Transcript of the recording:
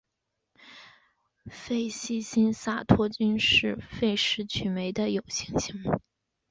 费希新萨托菌是费氏曲霉的有性型。